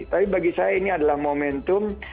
tapi bagi saya ini adalah momentum